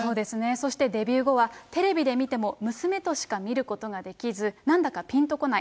そして、デビュー後は、テレビで見ても娘としか見ることができず、なんだかぴんとこない。